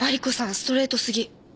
ストレートすぎ。